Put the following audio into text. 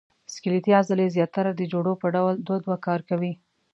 سکلیټي عضلې زیاتره د جوړو په ډول دوه دوه کار کوي.